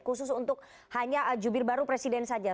khusus untuk hanya jubir baru presiden saja